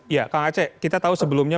ya kang aceh kita tahu sebelumnya